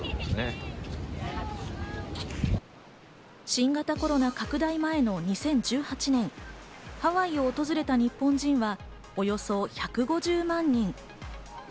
新型コロナ拡大前の２０１８年、ハワイを訪れた日本人はおよそ１５０万人。